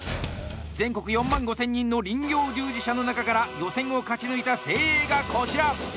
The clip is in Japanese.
全国４万５０００人の林業従事者の中から予選を勝ち抜いた精鋭がこちら。